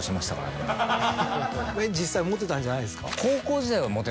実際モテたんじゃないですか？